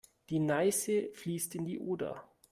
Die Neiße fließt in die Oder.